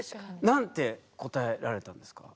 何て答えられたんですか？